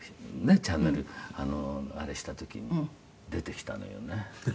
チャンネルあれした時に出てきたのよね